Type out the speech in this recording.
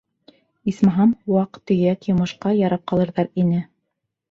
Исмаһам, ваҡ-төйәк йомошҡа ярап ҡалырҙар ине.